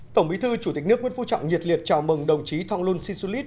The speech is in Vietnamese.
tổng bí thư chủ tịch nước nguyễn phú trọng nhiệt liệt chào mừng đồng chí thong lun sinh sulit